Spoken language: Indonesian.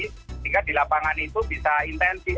sehingga di lapangan itu bisa intensif